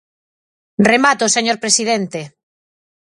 ¡Remato, señor presidente!